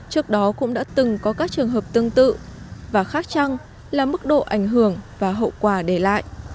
trước đó cũng đã từng có các trường hợp tương tự và khác chăng là mức độ ảnh hưởng và hậu quả để lại